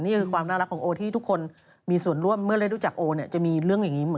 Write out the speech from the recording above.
นี่คือความน่ารักของโอที่ทุกคนมีส่วนร่วมเมื่อได้รู้จักโอเนี่ยจะมีเรื่องอย่างนี้หมด